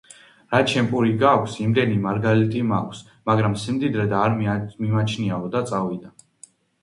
რაც შენ პური გაქვს, იმდენი მარგალიტი მაქვს, მაგრამ სიმდიდრედ არ მიმაჩნიაო, და წავიდა.